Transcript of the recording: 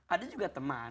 ada juga teman